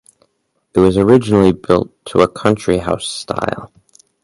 It was originally built to a country house style.